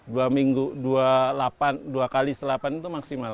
dua minggu dua kali setelah lapan itu maksimal